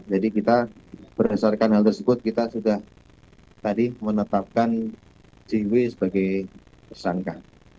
jadi kita berdasarkan hal tersebut kita sudah tadi menetapkan jw sebagai tersangka